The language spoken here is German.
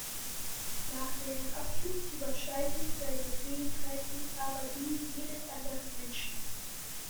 Nach deren Abschluss übersteigen seine Fähigkeiten aber die jedes anderen Menschen.